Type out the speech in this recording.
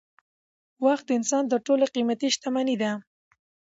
وخت د انسان تر ټولو قيمتي شتمني ده.